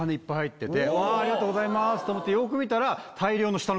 ありがとうございます！と思ってよく見たら。